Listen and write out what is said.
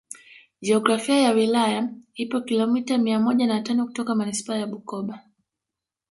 Jiografia ya wilaya ipo kilomita mia moja na tano kutoka Manispaa ya Bukoba